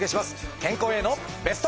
健康へのベスト。